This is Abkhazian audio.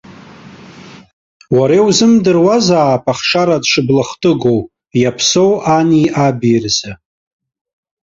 Уара иузымдыруазаап ахшара дшыблахтыгоу иаԥсоу ани аби рзы.